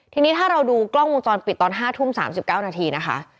ทีนี้ถ้าเราดูกล้องวงจรปิดตอน๕ทุ่ม๓๙นาทีนะคะ